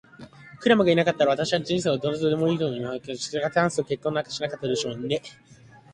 クラムがいなかったら、あなたは人生に対してどうでもいいというようなふうにはならず、したがってハンスと結婚なんかしなかったでしょう。